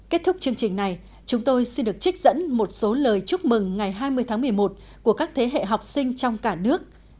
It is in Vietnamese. kết thúc chương trình này chúng tôi xin được trích dẫn một số lời chúc mừng ngày hai mươi tháng một mươi một của các thế hệ học sinh trong cả nước